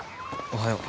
おはよう。